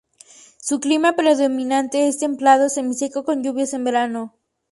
Su clima predominante es templado semiseco con lluvias en verano.